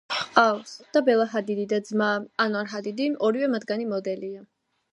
ჰყავს და ბელა ჰადიდი და ძმა ანვარ ჰადიდი, ორივე მათგანი მოდელია.